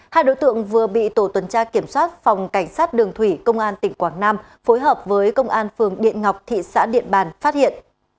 hai đối tượng vừa bị tổ tuần tra kiểm soát phòng cảnh sát đường thủy công an tỉnh quảng nam phối hợp với công an phường điện ngọc thị xã điện bàn phát hiện